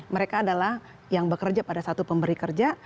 mereka adalah yang bekerja pada satu pemberi kerja